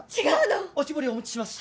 今お絞りお持ちします。